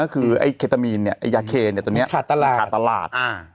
คือไอเคตามีนเนี้ยไอยาเคเนี้ยตัวเนี้ยขาดตลาดขาดตลาดอ่า